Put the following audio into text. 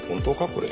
これ。